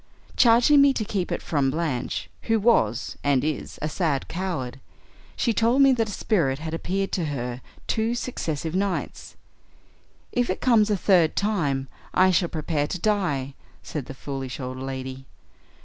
Charging me to keep it from Blanche, who was, and is, a sad coward, she told me that a spirit had appeared to her two successive nights. 'If it comes a third time, I shall prepare to die,' said the foolish old lady.